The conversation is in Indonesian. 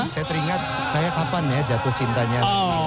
saya teringat saya kapan ya jatuh cintanya